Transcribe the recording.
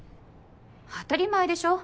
当たり前でしょ。